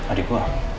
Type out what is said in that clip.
emang dia kenapa